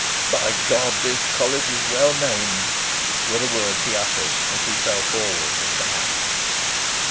"By God, this College is well named!" were the words he uttered as he fell forward and died.